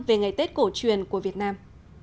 về ngày tết cổ truyền của việt nam